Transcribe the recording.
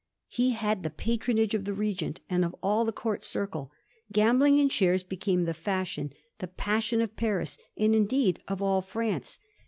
He bad the patronage of the Regent, and of all the Court circle. Gambling in shares became the fashion, the passion of Paris, and, indeed, of all France.